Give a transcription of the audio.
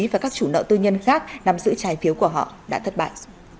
và các chủ nợ tư nhân khác nằm giữ trái phiếu của họ đã thất bại